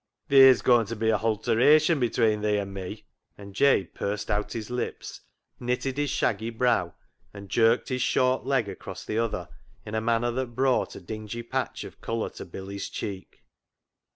" Theer's going to be a halteration between thee and me," and Jabe pursed out his lips, 38 CLOG SHOP CHRONICLES knitted his shaggy brow, and jerked his short leg across the other in a manner that brought a dingy patch of colour to Billy's cheek.